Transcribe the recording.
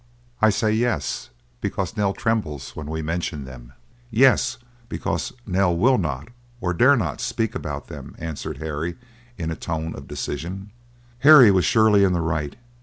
"I say yes; because Nell trembles when we mention them—yes, because Nell will not, or dare not, speak about them," answered Harry in a tone of decision. Harry was surely in the right.